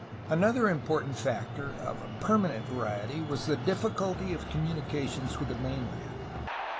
Another important factor of a permanent variety was the difficulty of communications with the mainland.